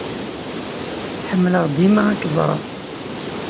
Ḥemmleɣ dima ad k-ẓreɣ.